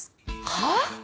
はぁ⁉